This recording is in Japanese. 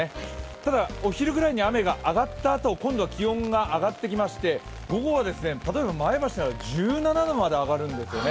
ただ、お昼ぐらいに雨があがったあと、今度は気温が上がってきまして、午後は例えば前橋などでは１７度まで上がるんですよね。